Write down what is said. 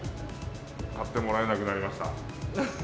買ってもらえなくなりました。